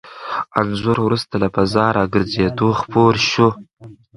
انځور وروسته له فضا راګرځېدو خپور شو.